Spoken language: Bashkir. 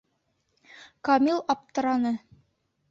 Камил аптыраны.